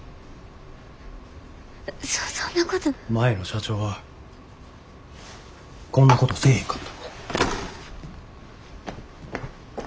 前の社長はこんなことせえへんかった。